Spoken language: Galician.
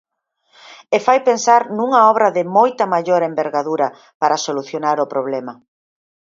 E fai pensar nunha obra de moita maior envergadura para solucionar o problema.